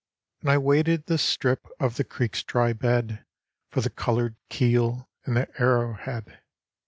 And I waded the strip of the creek's dry bed For the colored keel and the arrow head.